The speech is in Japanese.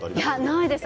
ないです。